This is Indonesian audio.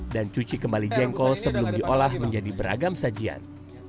dan cuci kembali jengkol sebelum diolah menjadi beragam sajian